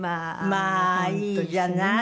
まあいいじゃない。